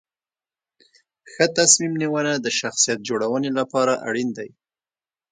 ښه تصمیم نیونه د شخصیت جوړونې لپاره اړین دي.